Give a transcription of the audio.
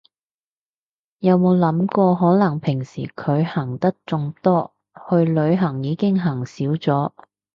有冇諗過可能平時佢行得仲多，去旅行已經行少咗